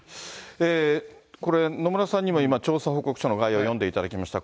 これ、野村さんにも今、調査報告の概要を読んでいただきました。